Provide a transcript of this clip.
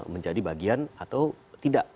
menjadi bagian atau tidak